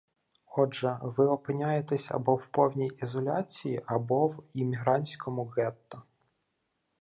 Отже, ви опиняєтеся або в повній ізоляції, або в іммігрантському гетто